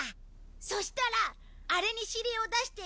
そしたらあれに指令を出している発信源が。